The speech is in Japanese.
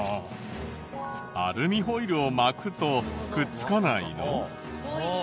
アルミホイルを巻くとくっつかないの？